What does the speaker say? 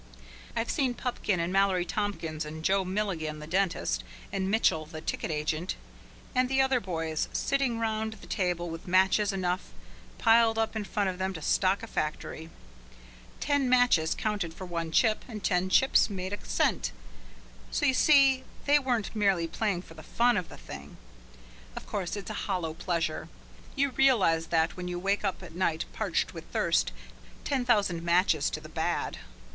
I've seen Pupkin and Mallory Tompkins and Joe Milligan, the dentist, and Mitchell the ticket agent, and the other "boys" sitting round the table with matches enough piled up in front of them to stock a factory. Ten matches counted for one chip and ten chips made a cent so you see they weren't merely playing for the fun of the thing. Of course it's a hollow pleasure. You realize that when you wake up at night parched with thirst, ten thousand matches to the bad.